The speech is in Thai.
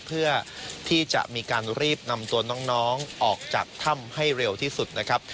เพื่อที่จะมีการรีบนำตัวน้องออกจากถ้ำให้เร็วที่สุดนะครับ